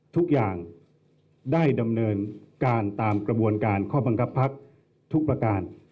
ทุกอย่างได้ดำเนินการตามกระบวนการข้อบังคับพักทุกประการ